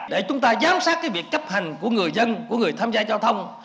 để chúng ta giám sát việc chấp hành của người dân của người tham gia giao thông